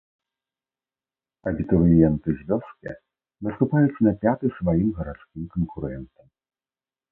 Абітурыенты з вёскі наступаюць на пяты сваім гарадскім канкурэнтам.